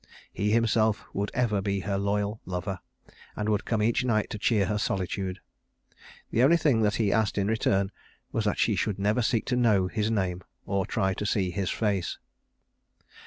He himself would ever be her loyal lover; and would come each night to cheer her solitude. The only thing that he asked in return was that she should never seek to know his name or try to see his face.